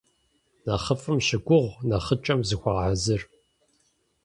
Нэхъыфӏым щыгугъ, нэхъыкӏэм зыхуэгъэхьэзыр.